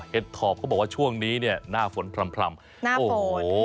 เฮ็ดทอปเขาบอกว่าช่วงนี้เนี่ยหน้าฝนพร่ำพร่ำหน้าฝนโอ้โห